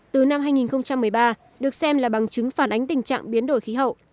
từ năm hai nghìn một mươi ba được xem là bằng chứng phản ánh tình trạng biến đổi khí hậu